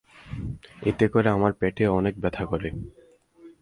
এতে করে আমার পেটেও অনেক ব্যথা করে